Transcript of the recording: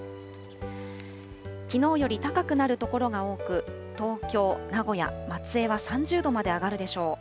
きのうより高くなる所が多く、東京、名古屋、松江は３０度まで上がるでしょう。